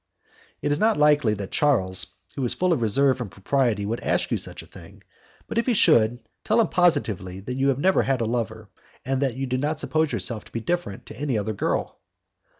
"It is not likely that Charles, who is full of reserve and propriety, would ask you such a thing, but if he should, tell him positively that you never had a lover, and that you do not suppose yourself to be different to any other girl."